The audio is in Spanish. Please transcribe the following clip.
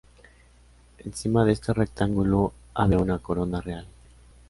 Encima de este rectángulo, había una corona real.